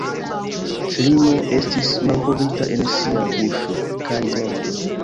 Ŝlimo estis malkovrita en sia buŝo kaj gorĝo.